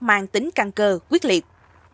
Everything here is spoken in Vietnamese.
mang tính căng cơ quyết liệt